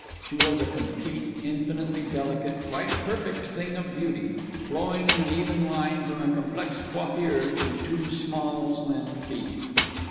She was a complete, infinitely delicate, quite perfect thing of beauty, flowing in an even line from a complex coiffure to two small slim feet.